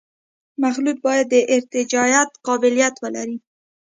مخلوط باید د ارتجاعیت قابلیت ولري